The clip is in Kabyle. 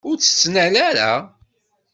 Ur tt-tettnal ara.